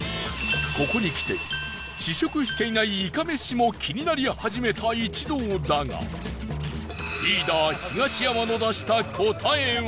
ここにきて試食していない、いかめしも気になり始めた一同だがリーダー東山の出した答えは？